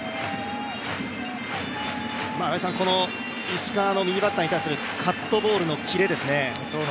石川の右バッターに対するカットボールのキレですよね。